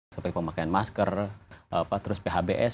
seperti pemakaian masker terus phbs